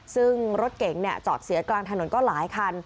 ซึ่งรถเก๋งจอดเสียกลางถนนก็หลายคัน